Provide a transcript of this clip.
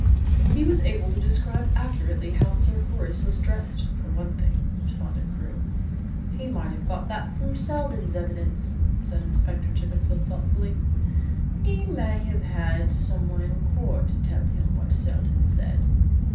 "He was able to describe accurately how Sir Horace was dressed for one thing," responded Crewe. "He might have got that from Seldon's evidence," said Inspector Chippenfield thoughtfully. "He may have had some one in court to tell him what Seldon said."